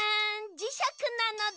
じしゃくなのだ。